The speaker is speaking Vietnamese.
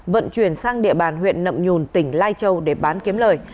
vận chuyển sang địa bàn huyện nậm nhùn tỉnh lai châu để bán kiếm lời